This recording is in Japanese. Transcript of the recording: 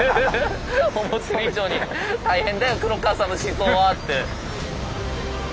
「思ってる以上に大変だよ黒川さんの思想は」って。